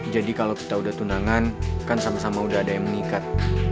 jadi kalau kita udah tunangan kan sama sama udah ada yang menikat